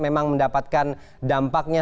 memang mendapatkan dampaknya